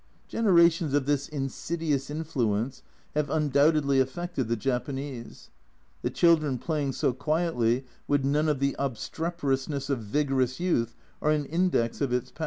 Generations of this insidious influence have undoubtedly affected the Japanese ; the children playing so quietly with none of the obstreperousness of vigorous youth are an index of its power.